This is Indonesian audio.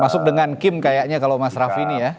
masuk dengan kim kayaknya kalau mas raffi ini ya